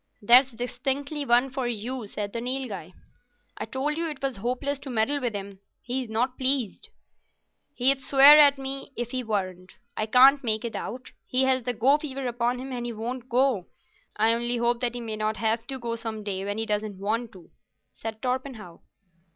"That's distinctly one for you," said the Nilghai. "I told you it was hopeless to meddle with him. He's not pleased." "He'd swear at me if he weren't. I can't make it out. He has the go fever upon him and he won't go. I only hope that he mayn't have to go some day when he doesn't want to," said Torpenhow.